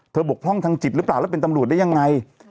บกพร่องทางจิตหรือเปล่าแล้วเป็นตำรวจได้ยังไง